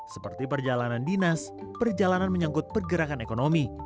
seperti perjalanan dinas perjalanan menyangkut pergerakan ekonomi